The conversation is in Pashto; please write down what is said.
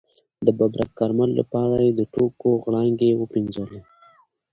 د ببرک کارمل لپاره یې د ټوکو غړانګې وپنځولې.